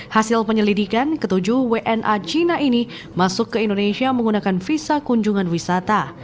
hasil penyelidikan ketujuh wna cina ini masuk ke indonesia menggunakan visa kunjungan wisata